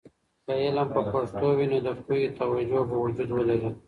که علم په پښتو وي، نو د پوهې توجه به وجود ولري.